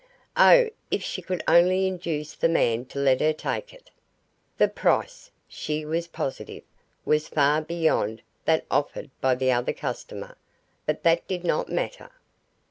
Oh, if she could only induce the man to let her take it. The price, she was positive, was far beyond that offered by the other customer, but that did not matter.